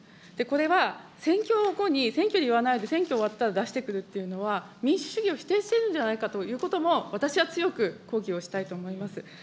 これは選挙後に、選挙で言わないで、選挙が終わったあとに出してくるっていうのは、民主主義を否定しているんじゃないかということも、私は強く抗議をしたいと思います。